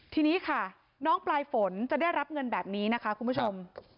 ทีนี้ค่ะน้องปลายฝนจะได้รับเงินแบบนี้นะคะคุณผู้ชม